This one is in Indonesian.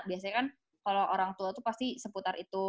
biasanya kan kalau orang tua tuh pasti seputar itu